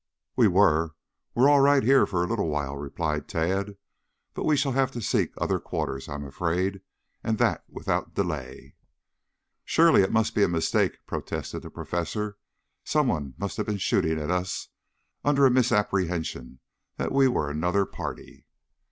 "We were. We are all right here for a little while," replied Tad. "But we shall have to seek other quarters, I am afraid, and that without delay." "Surely, it must be a mistake," protested the professor. "Some one must have been shooting at us under a misapprehension that we were another party."